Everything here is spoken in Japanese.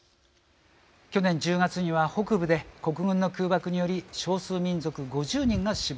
去年１０月には北部で国軍の空爆により少数民族５０人が死亡。